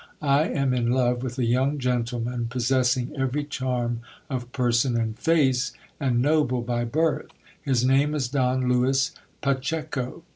I am in love with a young gentleman, possessing every charm of person and face, and noble by birth. His name is Don Lewis Pacheco.